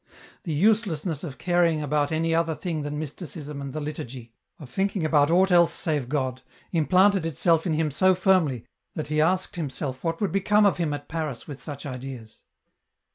The uselessness of caring about any other thing than Mysticism and the liturgy, of thinking about aught else save God, implanted itself in him so firmly that he asked himself what would become of him at Paris with such ideas.